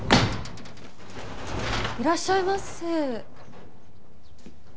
いらっしゃいませ。